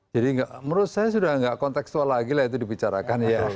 menurut saya sudah tidak konteksual lagi lah itu dibicarakan